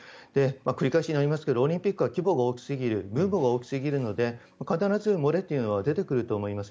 繰り返しになりますがオリンピックは規模が大きすぎる分母が大きすぎるので必ず漏れというのは出てくると思います。